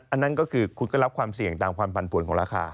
อันนั้นก็คือคุณก็รับความเสี่ยงตามความปันผลของราคา